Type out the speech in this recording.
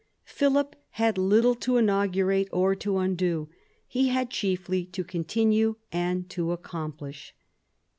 Philip had little to inaugurate or to undo : he had chiefly to continue and to accomplish.